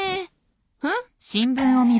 うん？